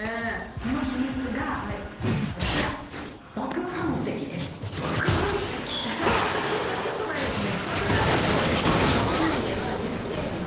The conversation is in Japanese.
その秘密がこちらアハハハハッ聞いたことないですね